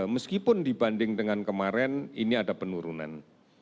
meskipun dibanding dengan kemarin ini ada penurunan